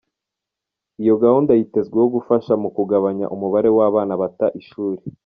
Iyo gahunda yitezweho gufasha mu kugabanya umubare w’abana bata ishuri.